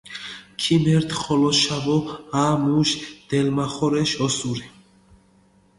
ქიმერთ ხოლოშავო, ა, მუში დელმახორეშ ოსური.